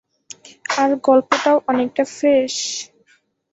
আর গল্পটাও অনেকটা ফ্রেশ।